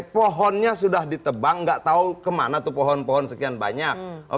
pohonnya sudah ditebang nggak tahu kemana tuh pohon pohon sekian banyak